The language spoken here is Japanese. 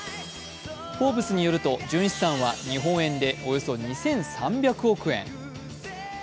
「フォーブス」によると純資産は日本円でおよそ２３００億円。